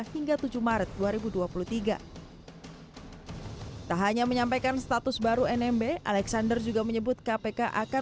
dua ribu dua puluh dua hingga tujuh maret dua ribu dua puluh tiga tak hanya menyampaikan status baru nmb alexander juga menyebut kpk akan